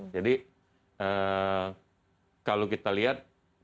jadi kalau kita lihat